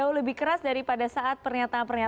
yang terkenal sebagaipoque logo dan pengusung mereka